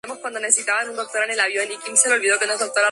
Se graduó de la Universidad Modern K Music Academy.